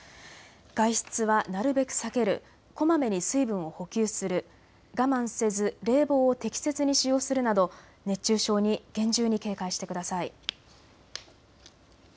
外出はなるべく避ける、こまめに水分を補給する、我慢せず冷房を適切に使用するなど熱中症に厳重に警戒してください。